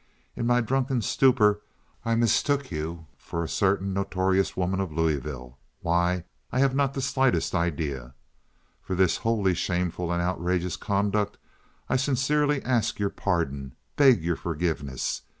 In my drunken stupor I mistook you for a certain notorious woman of Louisville—why, I have not the slightest idea. For this wholly shameful and outrageous conduct I sincerely ask your pardon—beg your forgiveness.